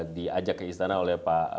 diajak ke istana oleh